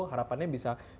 harapannya bisa menjadi makro